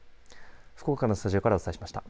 福岡のスタジオからお伝えしました。